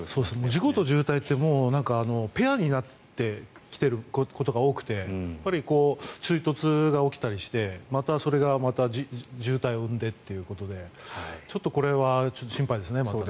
事故と渋滞ってペアになってきていることが多くて追突が起きたりして、またそれが渋滞を生んでっていうことでちょっとこれは心配ですね。